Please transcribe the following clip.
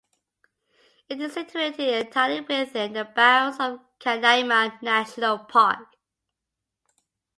It is situated entirely within the bounds of Canaima National Park.